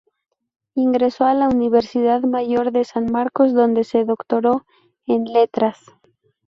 Ingresó a la Universidad Mayor de San Marcos, donde se doctoró en Letras.